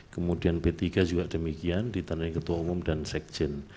kemudian p tiga juga demikian ditandai ketua umum dan sekjen